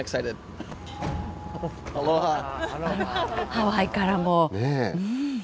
ハワイからも。